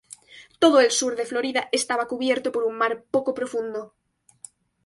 Todo el sur de Florida estaba cubierto por un mar poco profundo.